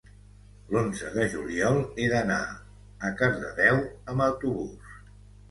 l'onze de juliol he d'anar a Cardedeu amb autobús.